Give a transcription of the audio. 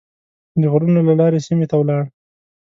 د غرونو له لارې سیمې ته ولاړ.